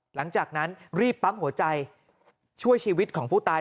หลังจากนั้นรีบปั๊มหัวใจช่วยชีวิตของผู้ตาย